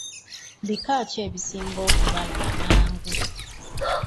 Bika ki ebisinga okubala amangu?